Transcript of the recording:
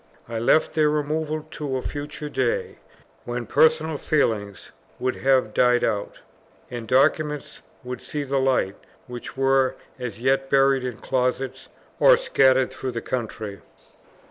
I left their removal to a future day, when personal feelings would have died out, and documents would see the light, which were as yet buried in closets or scattered through the country.